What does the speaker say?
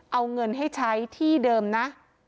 เอาเงินให้ใช้ที่เดิมนะ